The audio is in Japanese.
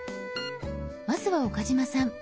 まずは岡嶋さん